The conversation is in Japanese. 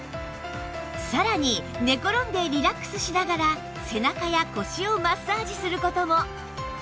さらに寝転んでリラックスしながら背中や腰をマッサージする事も